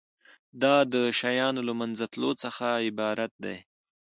دا د شیانو له منځه تلو څخه عبارت دی.